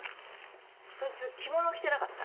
そいつ着物着てなかった？